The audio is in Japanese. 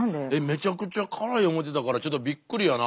めちゃくちゃ辛い思ってたからちょっとびっくりやな。